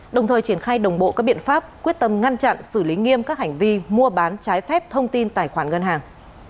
đồng thời triển khai đồng bộ các biện pháp quyết tâm ngăn chặn xử lý nghiêm các hành vi mua bán trái phép thông tin tài khoản ngân hàng